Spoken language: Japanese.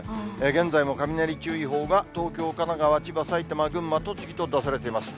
現在も雷注意報が、東京、神奈川、千葉、埼玉、群馬、栃木と出されています。